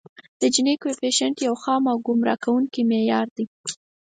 د جیني کویفیشینټ یو خام او ګمراه کوونکی معیار دی